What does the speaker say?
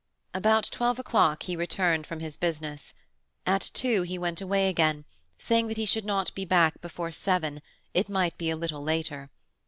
About twelve o'clock he returned from his business. At two he went away again, saying that he should not be back before seven, it might be a little later.